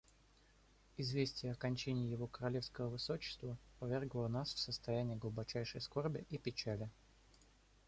Известие о кончине Его Королевского Высочества повергло нас в состояние глубочайшей скорби и печали.